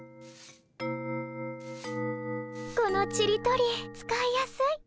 このちり取り使いやすい。